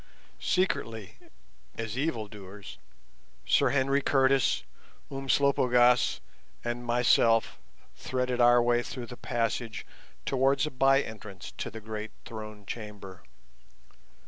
Secretly, as evildoers, Sir Henry Curtis, Umslopogaas, and myself threaded our way through the passages towards a by entrance to the great Throne Chamber.